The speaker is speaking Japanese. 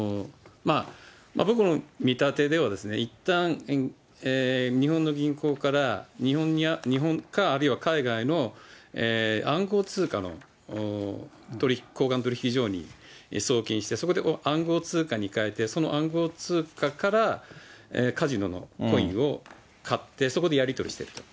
僕の見立てでは、いったん、日本の銀行から日本か、あるいは海外の暗号通貨の交換取引所に送金して、そこで暗号通貨に換えて、その暗号通貨からカジノのコインを買って、そこでやり取りしていると。